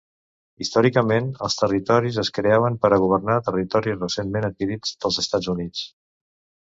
Històricament, els territoris es creaven per a governar territoris recentment adquirits dels Estats Units.